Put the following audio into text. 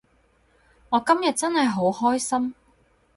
我今日真係好開心